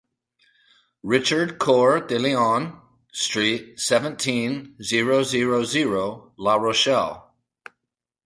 RICHARD COEUR DE LION street, seventeen, zero zero zero La Rochelle